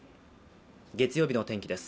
月曜日の天気です。